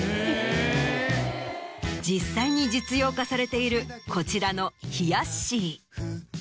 実際に実用化されているこちらのひやっしー。